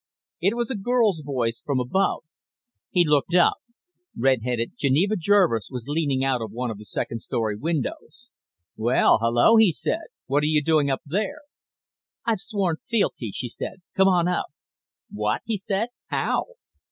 It was a girl's voice, from above. He looked up. Red headed Geneva Jervis was leaning out of one of the second story windows. "Well, hello," he said. "What are you doing up there?" "I've sworn fealty," she said. "Come on up." "What?" he said. "How?"